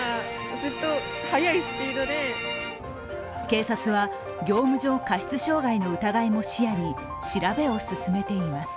警察は業務上過失傷害の疑いも視野に調べを進めています。